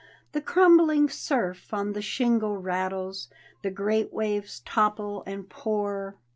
The crumbling surf on the shingle rattles. The great waves topple and pour.